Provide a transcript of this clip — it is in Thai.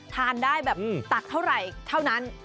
ทานได้แบบตักเท่าไหร่เท่านั้น